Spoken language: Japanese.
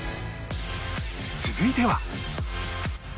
続いては